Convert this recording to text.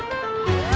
うわ！